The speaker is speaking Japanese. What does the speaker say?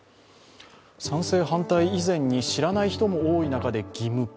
賛成反対以前に知らない人も多い中で義務化。